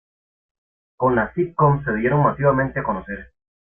Con las sitcom se dieron masivamente a conocer.